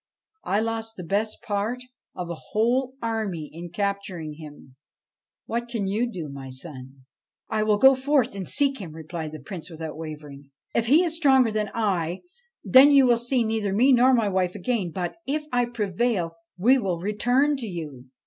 I lost the best part of a whole army in capturing him. What can you do, my son ?'' I will go forth and seek him,' replied the Prince without wavering. ' If he is stronger than I, then you will see neither me nor my wife again ; but, if I prevail, we will return to you.'